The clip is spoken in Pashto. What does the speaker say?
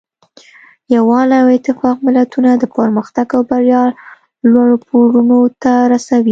یووالی او اتفاق ملتونه د پرمختګ او بریا لوړو پوړونو ته رسوي.